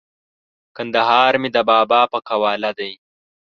کندهار مې د بابا په قواله دی!